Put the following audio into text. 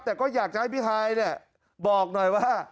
แต่ก็อยากจะให้พี่ฮายบอกหน่อยว่า